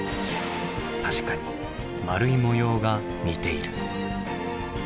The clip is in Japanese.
確かに丸い模様が似ている。